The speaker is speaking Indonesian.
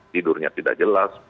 tidurnya tidak jelas